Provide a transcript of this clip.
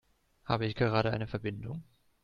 Habe ich gerade eine Verbindung?